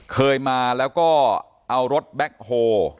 เคยมาแล้วก็เอารถแบ็คโฮ